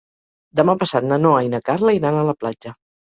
Demà passat na Noa i na Carla iran a la platja.